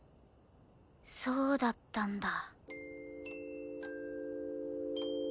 そうだったんだ。